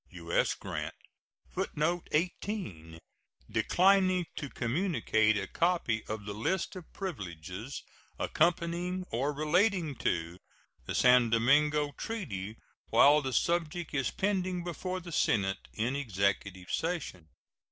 U.S. GRANT. [Footnote 18: Declining to communicate a copy of the list of privileges accompanying or relating to the San Domingo treaty while the subject is pending before the Senate in executive session.